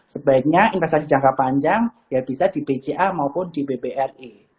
sebaiknya investasi jangka panjang ya bisa di bca maupun di bbri